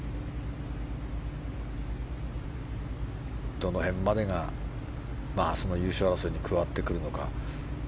どの辺までが優勝争いに加わってくるのか。